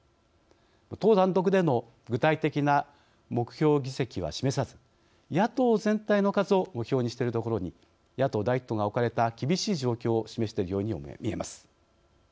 党単独での具体的な目標議席は示さず野党全体の数を目標にしているところに野党第一党が置かれた厳しい状況を示しているように見えます。